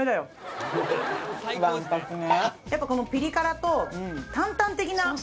やっぱこのピリ辛と坦々的な。